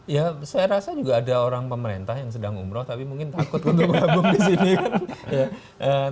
ya saya rasa juga ada orang pemerintah yang sedang umroh tapi mungkin takut untuk bergabung di sini